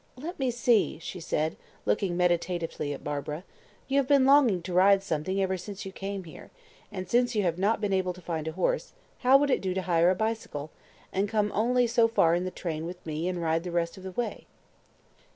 "Let me see," she said, looking meditatively at Barbara. "You have been longing to ride something ever since you came here, and since you have not been able to find a horse, how would it do to hire a bicycle, and come only so far in the train with me and ride the rest of the way?"